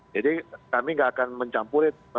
jadi kami gak akan mencampur